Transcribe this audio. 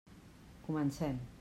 Comencem.